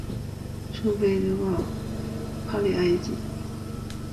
圣费利德帕利埃。